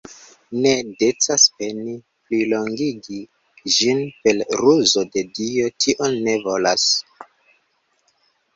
Ne decas peni plilongigi ĝin per ruzo, se Dio tion ne volas!